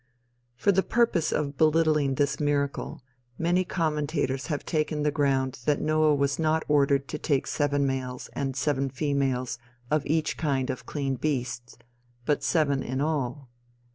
For the purpose of belittling this miracle, many commentators have taken the ground that Noah was not ordered to take seven males and seven females of each kind of clean beasts, but seven in all.